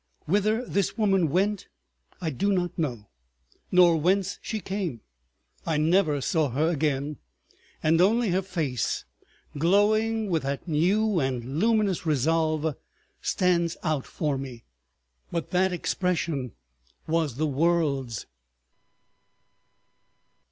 Whither this woman went I do not know, nor whence she came; I never saw her again, and only her face, glowing with that new and luminous resolve, stands out for me. ... But that expression was the world's.